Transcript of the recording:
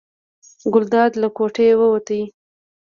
ګلداد له کوټې ووت.